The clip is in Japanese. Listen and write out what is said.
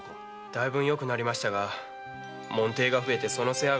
大分よくなりましたが門弟が増えてその世話が大変なんです。